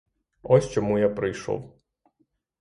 Ось чому я прийшов.